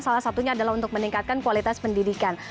salah satunya adalah untuk meningkatkan kualitas pendidikan